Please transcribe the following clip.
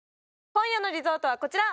今夜のリゾートはこちら！